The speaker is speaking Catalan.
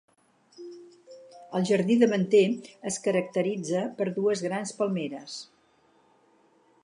El jardí davanter es caracteritza per dues grans palmeres.